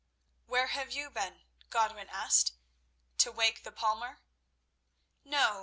"Where have you been?" Godwin asked. "To wake the palmer?" "No.